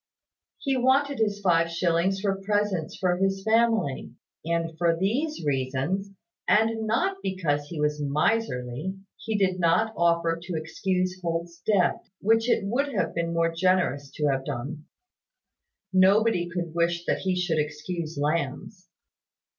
He wanted his five shillings for presents for his family; and for these reasons, and not because he was miserly, he did not offer to excuse Holt's debt; which it would have been more generous to have done. Nobody could wish that he should excuse Lamb's.